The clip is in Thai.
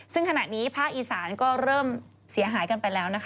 ซึ่งขณะนี้ภาคอีสานก็เริ่มเสียหายกันไปแล้วนะคะ